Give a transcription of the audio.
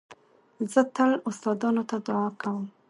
زه تل استادانو ته دؤعا کوم.